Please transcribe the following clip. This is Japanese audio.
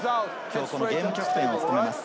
ゲームキャプテンを務めます。